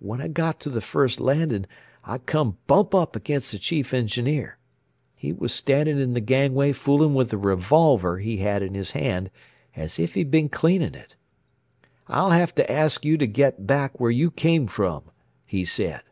When I got to the first landing I came bump up against the Chief Engineer. He was standing in the gangway fooling with a revolver he had in his hand as if he'd been cleaning it. 'I'll have to ask you to get back where you came from,' he said.